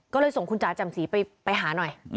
ก็เลยส่งคุณจ๋าแจ่มสีไปหาหน่อย